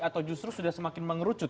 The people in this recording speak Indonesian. atau justru sudah semakin mengerucut